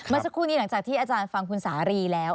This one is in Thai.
เมื่อสักครู่นี้หลังจากที่อาจารย์ฟังคุณสารีแล้ว